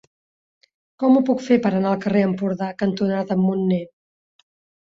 Com ho puc fer per anar al carrer Empordà cantonada Munner?